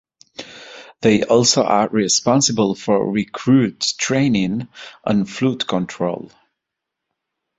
They also are responsible for recruit training and flood control.